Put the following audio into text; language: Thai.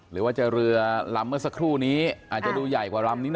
หรือว่าจะเรือลำเมื่อสักครู่นี้อาจจะดูใหญ่กว่าลำนี้นะ